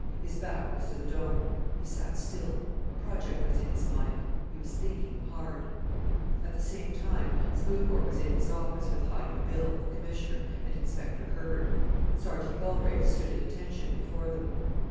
His back was to the Dome. He sat still; a project was in his mind; he was thinking hard. At the same time Smoothbore was in his office with Hi u Bill, the Commissioner, and Inspector Herbert. Sergeant Galbraith stood at attention before them.